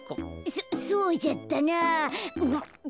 そそうじゃったなあ。